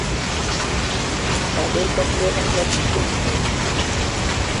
তাদের কাছে আমরা কৃতজ্ঞ।